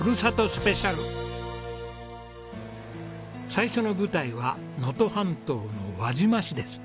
最初の舞台は能登半島の輪島市です。